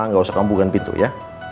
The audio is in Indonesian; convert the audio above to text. nggak usah kamu buka pintu ya